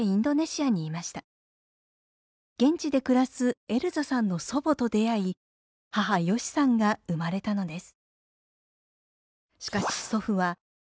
現地で暮らすエルザさんの祖母と出会い母ヨシさんが生まれたのです。